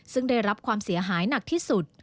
ซึ่งได้รับความเสียหายหนักที่สุด